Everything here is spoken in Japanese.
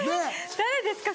誰ですか？